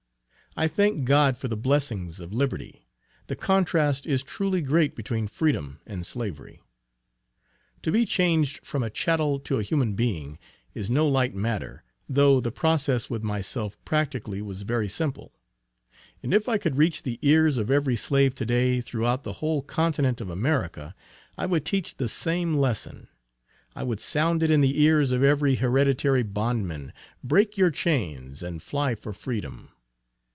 I thank God for the blessings of Liberty the contrast is truly great between freedom and slavery. To be changed from a chattel to a human being, is no light matter, though the process with myself practically was very simple. And if I could reach the ears of every slave to day, throughout the whole continent of America, I would teach the same lesson, I would sound it in the ears of every hereditary bondman, "break your chains and fly for freedom!"